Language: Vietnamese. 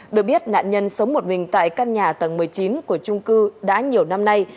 được biết nạn nhân sống một mình tại căn nhà tầng một mươi chín của trung cư đã nhiều năm nay